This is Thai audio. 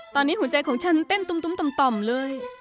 ตอนนี้หัวใจของชั้นเต้นตุ่มเลย